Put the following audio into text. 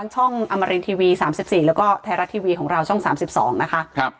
ท่องอามะเรนทีวี๓๔แล้วก็แทรรัททีวีของเราท่อง๓๒ค่ะ